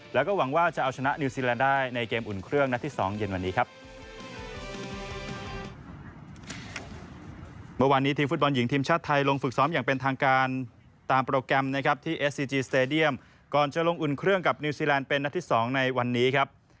แล้วก็หวังว่าจะเอาชนะนิวซีแลนด์ได้ในเกมอุ่นเครื่องนัดที่๒เย็นวันนี้ครับ